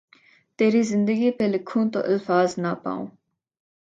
تیری زندگی پھ لکھوں تو الفاظ نہ پاؤں